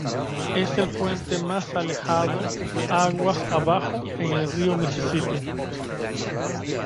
Es el puente más alejado aguas abajo en el río Misisipi.